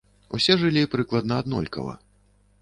Усе жылі прыкладна аднолькава.